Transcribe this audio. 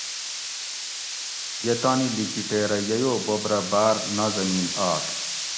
یہ تانی لکی ٹیرہ ییو بوب رہ باۤر نازمین آش